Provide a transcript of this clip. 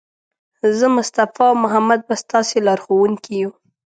زه، مصطفی او محمد به ستاسې لارښوونکي یو.